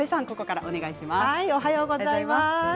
おはようございます。